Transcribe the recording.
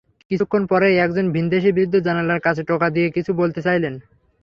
কিছুক্ষণ পরেই একজন ভিনদেশি বৃদ্ধ জানালার কাচে টোকা দিয়ে কিছু বলতে চাইলেন।